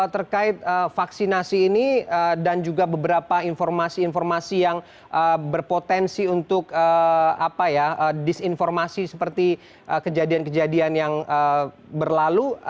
terkait vaksinasi ini dan juga beberapa informasi informasi yang berpotensi untuk disinformasi seperti kejadian kejadian yang berlalu